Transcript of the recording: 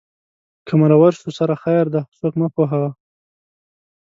که مرور شو سره خیر دی خو څوک مه پوهوه